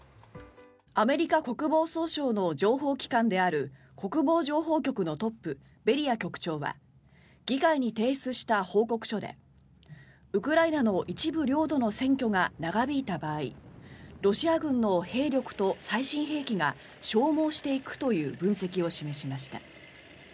アメリカ国防総省の情報機関である国防情報局のトップベリア局長は議会に提出した報告書でウクライナの一部領土の占拠が長引いた場合ロシア軍の兵力と最新兵器が消耗していくという分析を示しました。